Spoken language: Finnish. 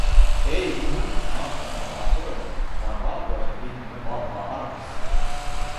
Ei Knut massamurhaa toivonut, vaan valkoisen ihmisen valtaa arkissa.